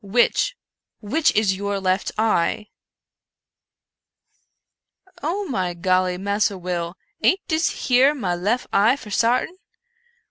— which — which is your left eye ?"" Oh, my golly, Massa Will ! aint dis here my lef eye for sartain